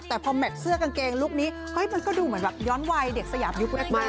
แต่พอแมทเสื้อกางเกงลูกนี้มันก็ดูเหมือนแบบย้อนวัยเด็กสยามยุคแรกมาก